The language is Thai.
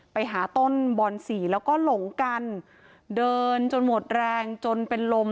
ไปหาต้นบอนสี่แล้วก็หลงกันเดินจนหมดแรงจนเป็นลม